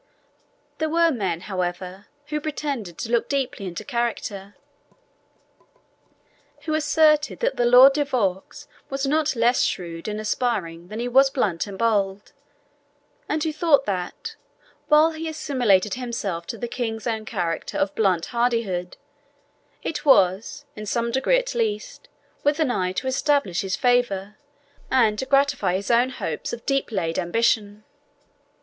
There were men, however, who pretended to look deeply into character, who asserted that the Lord de Vaux was not less shrewd and aspiring than he was blunt and bold, and who thought that, while he assimilated himself to the king's own character of blunt hardihood, it was, in some degree at least, with an eye to establish his favour, and to gratify his own hopes of deep laid ambition.